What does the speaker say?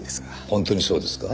本当にそうですか？